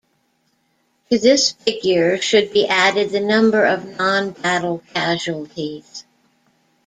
To this figure should be added the number of nonbattle casualties.